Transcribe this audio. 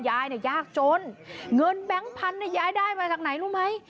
ยายเนี่ยยากจนเงินแบงค์พันธุเนี่ยยายได้มาจากไหนรู้ไหม